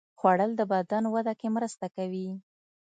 خوړل د بدن وده کې مرسته کوي